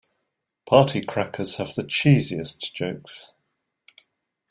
Party Crackers have the cheesiest jokes.